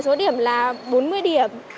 với số điểm là bốn mươi điểm